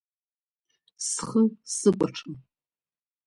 Схы сыкәаҽын…